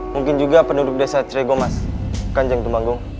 mungkin juga penduduk desa ciregomas kanjang tumanggung